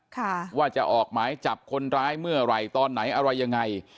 ค่ะว่าจะออกหมายจับคนร้ายเมื่อไหร่ตอนไหนอะไรยังไง